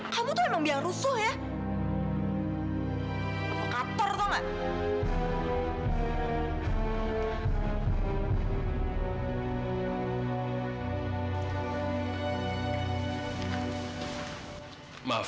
kamu tuh emang biar rusuh ya